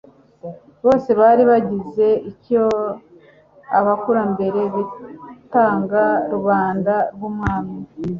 bose bari bagize icyo abakurambere bitaga rubanda rw'umwami